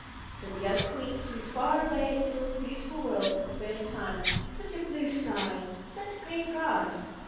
So the young Queen flew far away and saw the beautiful world for the first time. Such a blue sky! Such green grass!